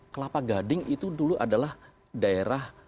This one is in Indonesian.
kelapa gading itu dulu adalah daerah